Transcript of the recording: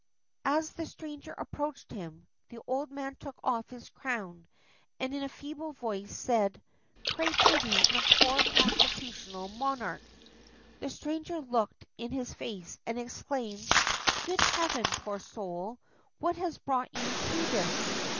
As the stranger approached him, the old man took off his crown, and in a feeble voice said, "Pray pity a poor constitutional monarch." The stranger looked in his face and exclaimed, "Good heaven, poor soul, what has brought you to this?"